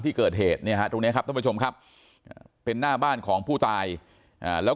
ที่เกิดเหตุเนี่ยฮะตรงนี้ครับท่านผู้ชมครับเป็นหน้าบ้านของผู้ตายแล้ว